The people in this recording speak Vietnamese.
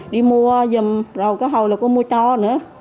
rồi cái hồi là cô mua cho nữa